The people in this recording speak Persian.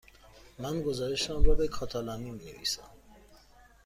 من گزارشم را به کاتالانی می نویسم.